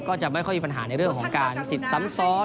ก็จะไม่ค่อยมีปัญหาในเรื่องของการสิทธิ์ซ้ำซ้อน